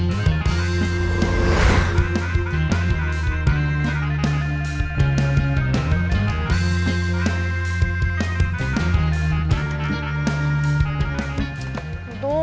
masuk kuliah dulu